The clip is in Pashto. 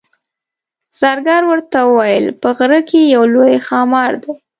زرګر ورته وویل په غره کې یو لوی ښامار دی.